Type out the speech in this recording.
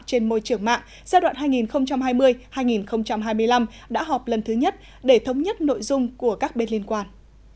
trên môi trường mạng giai đoạn hai nghìn hai mươi hai nghìn hai mươi năm đã họp lần thứ nhất để thống nhất nội dung của các bên liên quan